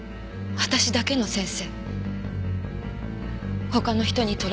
私だけの先生！！